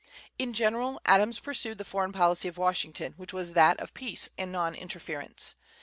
In general, Adams pursued the foreign policy of Washington, which was that of peace and non interference.